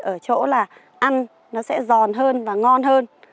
ở chỗ là ăn nó sẽ giòn hơn và ngon hơn